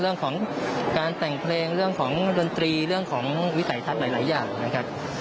เรื่องของการแต่งเพลงเรื่องของดนตรีเรื่องของวิสัยทัศน์หลายอย่างนะครับ